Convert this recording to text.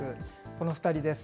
この２人です。